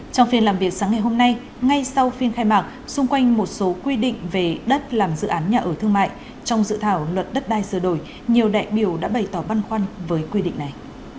trong phiên làm việc sáng ngày hôm nay ngay sau phiên khai mạc xung quanh một số quy định về đất làm dự án nhà ở thương mại trong dự thảo luật đất đai sửa đổi nhiều đại biểu đã bày tỏ băn khoăn với quy định này